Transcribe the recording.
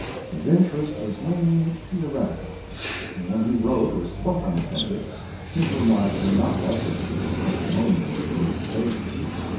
His interest was mainly theoretical, and when he wrote or spoke on the subject his remarks were not likely to be testimonials in its favor.